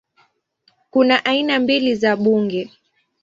Kuna aina mbili za bunge